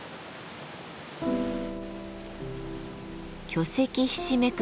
巨石ひしめく